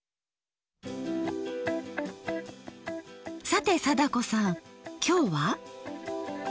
さて貞子さんきょうは？